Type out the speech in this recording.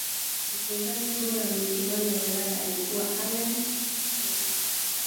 mfungaji bora wa michuano ya Ulaya alikuwa allan shearer